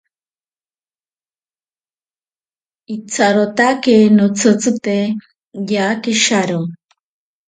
Itsarotake notsitzite yake sharo.